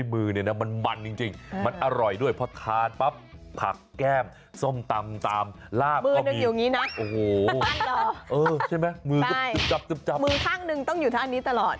มือมันอยู่อย่างนี้นะมือข้างหนึ่งต้องอยู่ทางนี้ตลอด